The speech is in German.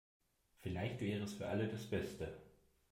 Vielleicht wäre es für alle das Beste.